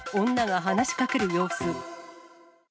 女が話しかける様子。